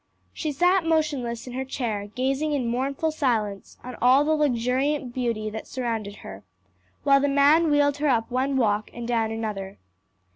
She sat motionless in her chair gazing in mournful silence on all the luxuriant beauty that surrounded her, while the man wheeled her up one walk and down another.